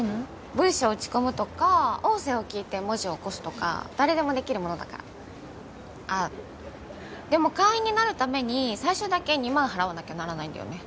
文章打ち込むとか音声を聞いて文字起こすとか誰でもできるものだからあっでも会員になるために最初だけ２万払わなきゃならないんだよね